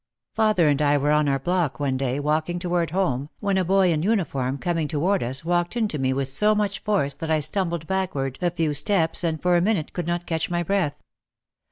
Father and I were on our block one day, walking toward home, when a boy in uniform coming toward us walked into me with so much force that I stumbled backward a few steps and for a minute could not catch my breath.